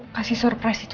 pak para r aprender